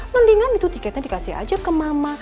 mendingan itu tiketnya dikasih aja ke mama